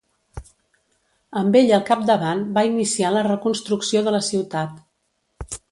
Amb ell al capdavant va iniciar la reconstrucció de la ciutat.